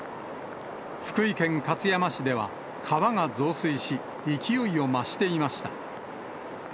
福井県勝山市では、川が増水し、勢いを増していました。